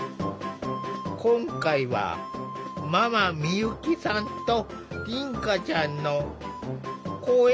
今回はママ美由紀さんと凛花ちゃんの公園